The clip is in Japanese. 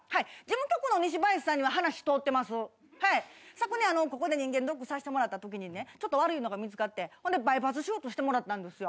昨年ここで人間ドックさせてもらった時にねちょっと悪いのが見つかってほんでバイパス手術してもらったんですよ。